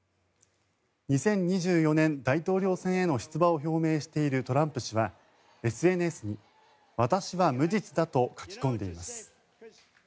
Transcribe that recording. ２０２４年大統領選への出馬を表明しているトランプ氏はＳＮＳに私は無実だと書き込んでいます。